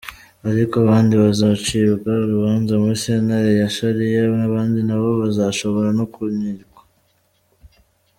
Ariko abandi, bazocibwa urubanza muri sentare ya Sharia, abandi na bo bashobora no kunyingwa.